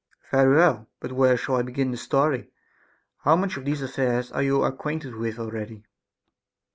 Caph. Very well ; but where shall I begin the story ? How much of these affairs are you acquainted with already